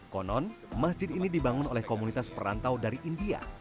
konon masjid ini dibangun oleh komunitas perantau dari india